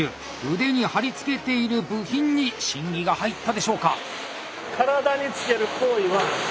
腕に張り付けている部品に審議が入ったでしょうか？